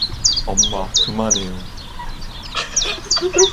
엄마, 그만해요.